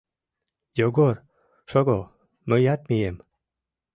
— Йогор, шого, мыят мием.